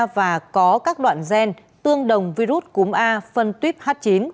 và có các đoạn gen tương đồng virus cúm a phân tuyếp h chín